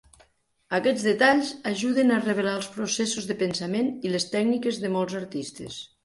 Aquests detalls ajuden a revelar els processos de pensament i les tècniques de molts artistes.